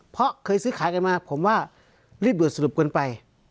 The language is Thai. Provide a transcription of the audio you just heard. เพราะเคยซื้อขายกันมาผมว่ารีบเบื่อสรุปเกินไป